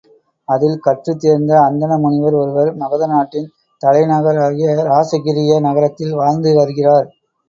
அதில் கற்றுத் தேர்ந்த அந்தண முனிவர் ஒருவர் மகத நாட்டின் தலைநகராகிய இராசகிரிய நகரத்தில் வாழ்ந்து வருகிறார்.